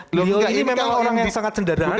beliau ini memang orang yang sangat sendaran dan humble